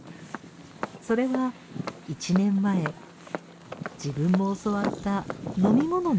それは１年前自分も教わった飲み物の配膳。